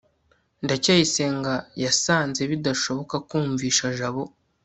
ndacyayisenga yasanze bidashoboka kumvisha jabo